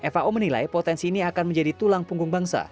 fao menilai potensi ini akan menjadi tulang punggung bangsa